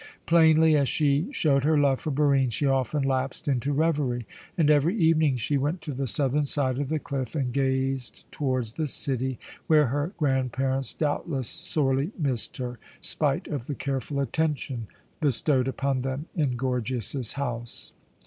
Plainly as she showed her love for Barine, she often lapsed into reverie, and every evening she went to the southern side of the cliff and gazed towards the city, where her grandparents doubtless sorely missed her, spite of the careful attention bestowed upon them in Gorgias's house.